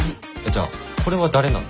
じゃあこれは誰なの？